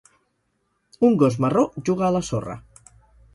Un gos marró juga a la sorra.